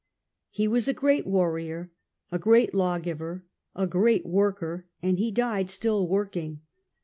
He was a great warrior, a great lawgiver, a great worker, arid he died still working.